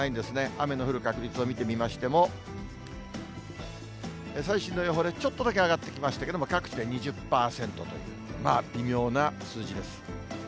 雨の降る確率を見てみましても、最新の予報でちょっとだけ上がってきましたけども、各地で２０％という、まあ、微妙な数字です。